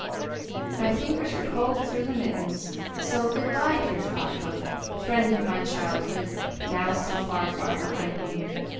My fingers are cold through the mittens, so good bye dear Thought Book, friend of my childhood, now so far far behind me!